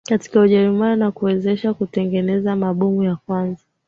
katika Ujerumani na kuiwezesha kutengeneza mabomu ya kwanza